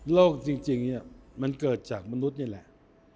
โรคจริงมันเกิดจากมนุษย์นี่แหละ